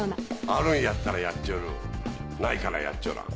あるんやったらやっちょるないからやっちょらん。